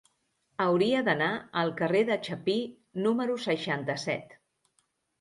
Hauria d'anar al carrer de Chapí número seixanta-set.